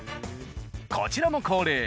こちらも恒例。